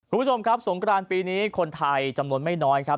คุณผู้ชมครับสงกรานปีนี้คนไทยจำนวนไม่น้อยครับ